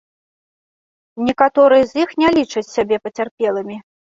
Некаторыя з іх не лічаць сябе пацярпелымі.